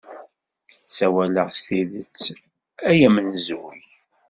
Ssawaleɣ s tidet, a amenzug!